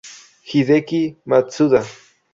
Hideki Matsuda